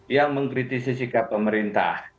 yang mengkritisi sikap pemerintah